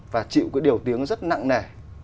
và chịu cái điều tiếng rất nặng nề